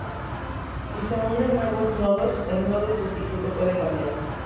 Si se unen nuevos nodos, el nodo sustituto puede cambiar.